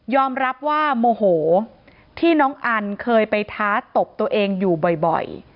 รับว่าโมโหที่น้องอันเคยไปท้าตบตัวเองอยู่บ่อย